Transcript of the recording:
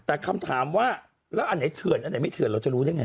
แต่คำถามว่าแล้วอันไหนเถื่อนอันไหนไม่เถื่อนเราจะรู้ได้ไง